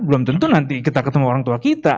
belum tentu nanti kita ketemu orang tua kita